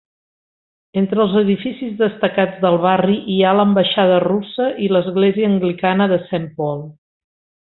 Entre els edificis destacats del barri hi ha l'ambaixada russa i l'església anglicana de Saint Paul.